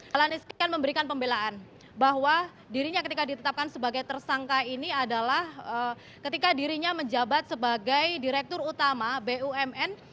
dalan iskan memberikan pembelaan bahwa dirinya ketika ditetapkan sebagai tersangka ini adalah ketika dirinya menjabat sebagai direktur utama bumn